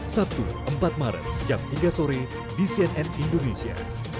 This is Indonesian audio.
sabtu empat maret jam tiga sore di cnn indonesia